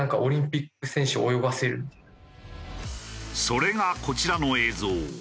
それがこちらの映像。